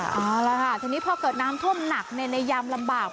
เอาละค่ะทีนี้พอเกิดน้ำท่วมหนักในยามลำบาก